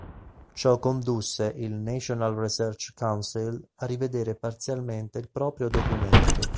Ciò condusse il National Research Council a rivedere parzialmente il proprio documento.